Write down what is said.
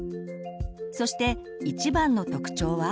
そして一番の特徴は。